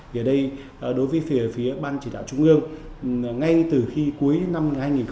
thì ở đây đối với phía ban chỉ đạo trung ương ngay từ khi cuối năm hai nghìn một mươi chín